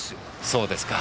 そうですか。